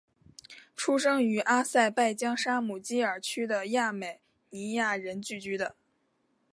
出生于阿塞拜疆沙姆基尔区的亚美尼亚人聚居的。